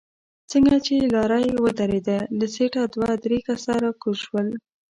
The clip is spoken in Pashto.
څنګه چې لارۍ ودرېده له سيټه دوه درې کسه راکوز شول.